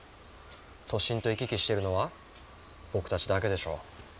都心と行き来してるのは僕たちだけでしょう。